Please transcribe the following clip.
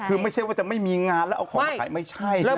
คือไม่ใช่ว่าจะไม่มีงานแล้วเอาของมาขาย